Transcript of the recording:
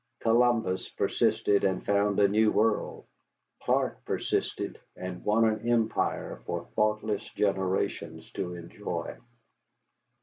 Columbus persisted, and found a new world; Clark persisted, and won an empire for thoughtless generations to enjoy.